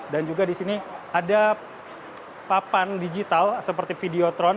dan juga di sini ada papan digital seperti videotron